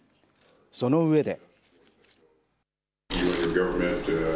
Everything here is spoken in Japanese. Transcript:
その上で。